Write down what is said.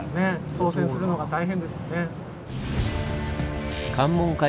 操船するのが大変ですね。